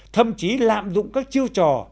thậm chí lạm dụng các chiêu trò